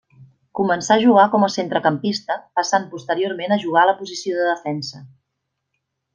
Començà a jugar com a centrecampista, passant posteriorment a jugar a la posició de defensa.